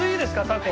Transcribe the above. タコ。